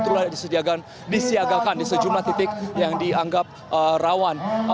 telah disediakan disiagakan di sejumlah titik yang dianggap rawan